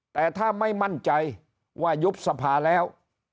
แต่ถ้าไม่มั่นใจว่ายุบสภาแล้ว